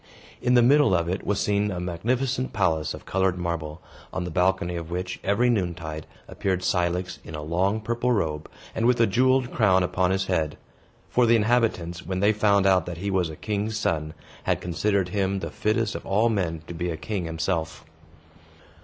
In the middle of it was seen a magnificent palace of colored marble, on the balcony of which, every noontide, appeared Cilix, in a long purple robe, and with a jeweled crown upon his head; for the inhabitants, when they found out that he was a king's son, had considered him the fittest of all men to be a king himself.